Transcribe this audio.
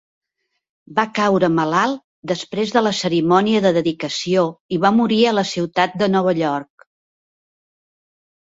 Va caure malalt després de la cerimònia de dedicació i va morir a la ciutat de Nova York.